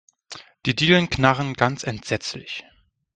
Die Dielen knarren ganz entsetzlich.